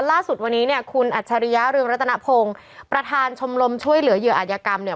ล่าสุดวันนี้เนี่ยคุณอัจฉริยะเรืองรัตนพงศ์ประธานชมรมช่วยเหลือเหยื่ออาจยกรรมเนี่ย